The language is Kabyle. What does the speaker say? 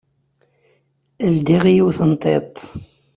Ldiɣ yiwet n tiṭ.